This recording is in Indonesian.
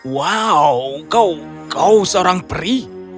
wow kau seorang pri